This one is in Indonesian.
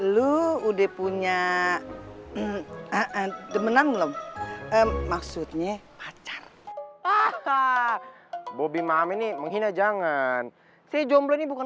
lu udah punya temenan belum maksudnya pacar ah ah bobby mami nih menghina jangan sejomblo ini bukan